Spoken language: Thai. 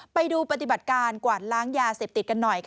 ไปดูปฏิบัติการกวาดล้างยาเสพติดกันหน่อย